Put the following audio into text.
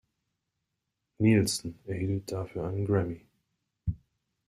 Nilsson erhielt dafür einen Grammy.